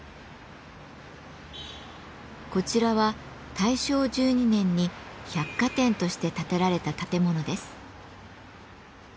こちらは大正１２年に百貨店として建てられた建物です。